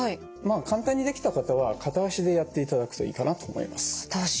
簡単にできた方は片脚でやっていただくといいかなと思います。